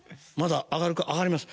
「上がります」